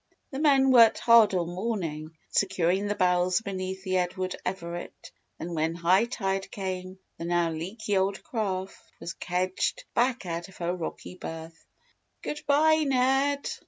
The men worked hard all morning, securing the barrels beneath the Edward Everett, then when high tide came the now leaky old craft was kedged back out of her rocky berth. "Good bye, Ned!"